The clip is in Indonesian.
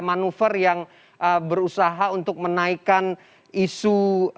manuver yang berusaha untuk menaikkan isu